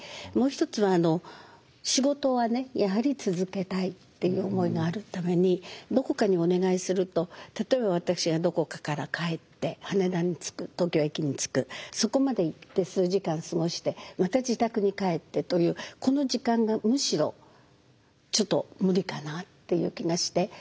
もう一つは仕事はやはり続けたいっていう思いがあるためにどこかにお願いすると例えば私はどこかから帰って羽田に着く東京駅に着くそこまで行って数時間過ごしてまた自宅に帰ってというこの時間がむしろちょっと無理かなっていう気がして。